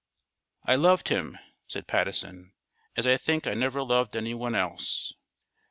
"I loved him," said Patteson, "as I think I never loved anyone else."